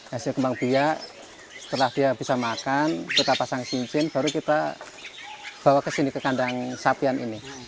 hasil kembang biak setelah dia bisa makan kita pasang cincin baru kita bawa ke sini ke kandang sapian ini